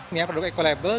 ini produk ekolabel